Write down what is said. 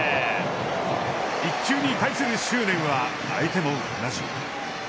１球に対する執念は相手も同じ。